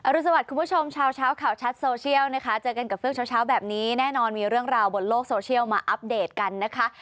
รุนสวัสดิ์คุณผู้ชมเช้าข่าวชัดโซเชียลนะคะเจอกันกับเฟือกเช้าแบบนี้แน่นอนมีเรื่องราวบนโลกโซเชียลมาอัปเดตกันนะคะ